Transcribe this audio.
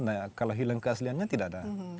nah kalau hilang keasliannya tidak ada